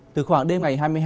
từ khoảng đêm ngày hai mươi hai